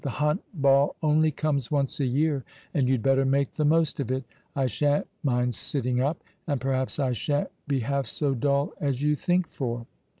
"The Hunt Ball only comes once a year, and you'd better make the most of it. I shan't mind sitting up ; and perhaps I shan't be half so dull as you think for."